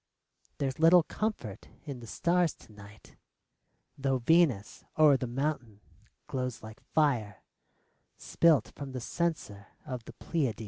... There 's little comfort in the stars to night, Tho' Venus, o'er the mountain, glows like fire Spilt from the censer of the Pleiades.